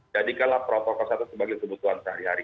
jadikanlah protokol kesehatan sebagai kebutuhan sehari hari